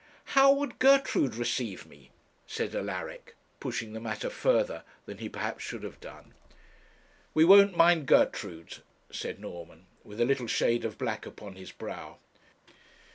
'How would Gertrude receive me?' said Alaric, pushing the matter further than he perhaps should have done. 'We won't mind Gertrude,' said Norman, with a little shade of black upon his brow.